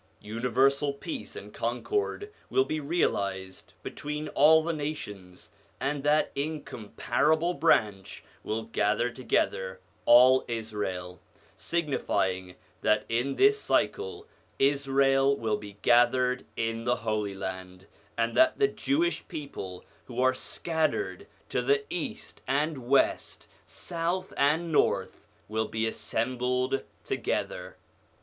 Universal peace and concord will be realised between all the nations, and that incomparable Branch will gather together all Israel: signifying that in this cycle Israel will be gathered in the Holy Land, and that the Jewish people who are scattered to the East and West, South and North, will be assembled together.